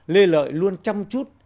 lê lợi luôn chăm chút